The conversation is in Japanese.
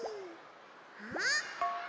あっ。